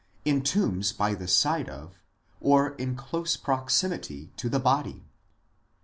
in tombs by the side of, or in close proximity to, the body